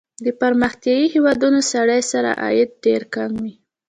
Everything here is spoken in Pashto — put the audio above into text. د پرمختیايي هېوادونو سړي سر عاید ډېر کم دی.